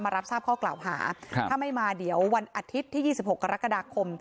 รับทราบข้อกล่าวหาถ้าไม่มาเดี๋ยววันอาทิตย์ที่๒๖กรกฎาคม